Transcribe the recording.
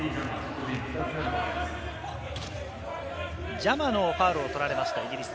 ジャマのファウルを取られました、イギリス。